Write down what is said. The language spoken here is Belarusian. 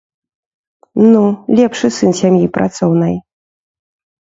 Ну, лепшы сын сям'і працоўнай!